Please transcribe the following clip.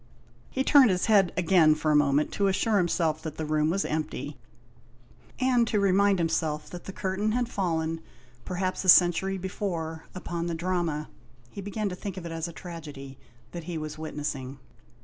He turned his head again for a moment to assure himself that the room was empty, and to remind himself that the curtain had fallen, perhaps a century before, upon the drama — he began to think of it as a tragedy — that he was witnessing.